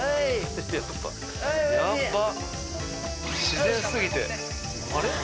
自然過ぎて。